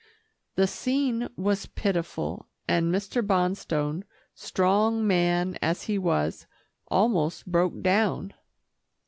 The scene was pitiful, and Mr. Bonstone, strong man as he was, almost broke down.